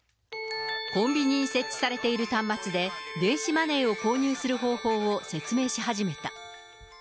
コンビニに設置されている端末で、電子マネーを購入する方法を説明し始めた。